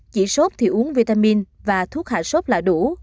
chỉ số thì uống vitamin và thuốc hạ sốt là đủ